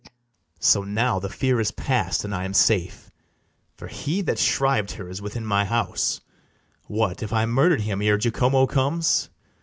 So, now the fear is past, and I am safe; For he that shriv'd her is within my house: What, if I murder'd him ere Jacomo comes?